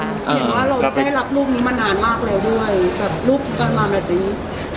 หรือว่าเราได้รับรูปนี้มานานมากแล้วด้วยแต่รูปที่ก่อนมาแบบนี้